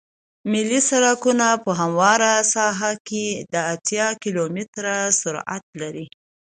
ملي سرکونه په همواره ساحه کې د اتیا کیلومتره سرعت لري